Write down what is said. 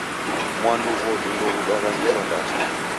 Mwandu ghodu ndoghudwagha ngelo ndacha.